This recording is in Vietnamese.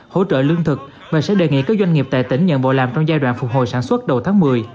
hỗ trợ lương thực và sẽ đề nghị các doanh nghiệp tại tỉnh nhận bộ làm trong giai đoạn phục hồi sản xuất đầu tháng một mươi